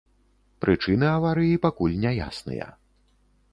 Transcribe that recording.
Прычыны аварыі пакуль няясныя.